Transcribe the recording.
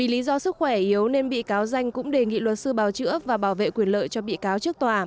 lý do sức khỏe yếu nên bị cáo danh cũng đề nghị luật sư bào chữa và bảo vệ quyền lợi cho bị cáo trước tòa